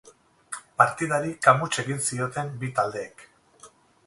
Partidari kamuts ekin zioten bi taldeek.